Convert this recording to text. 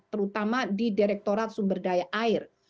terutama di direktorat sumber daya air